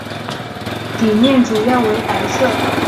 底面主要为白色。